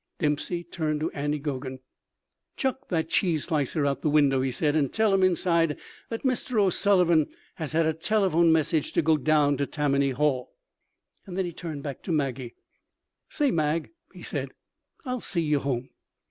Dempsey turned to Andy Geoghan. "Chuck that cheese slicer out of the window," he said, "and tell 'em inside that Mr. O'Sullivan has had a telephone message to go down to Tammany Hall." And then he turned back to Maggie. "Say, Mag," he said, "I'll see you home.